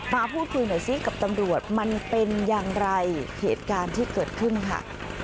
มาพูดคุยหน่อยซิกับตำรวจมันเป็นอย่างไรเหตุการณ์ที่เกิดขึ้นค่ะ